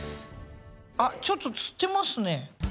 あっちょっとつってますね。